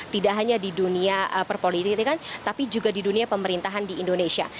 tidak hanya di dunia perpolitikan tapi juga di dunia pemerintahan di indonesia